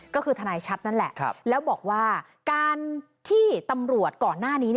ก็คือทนายชัดนั่นแหละแล้วบอกว่าการที่ตำรวจก่อนหน้านี้